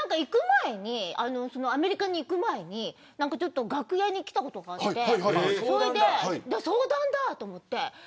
アメリカに行く前に楽屋に来たことがあって相談だと思って。